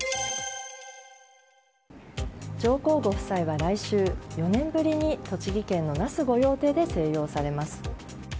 上皇ご夫妻は来週、４年ぶりに栃木県の那須御用邸で静養されます。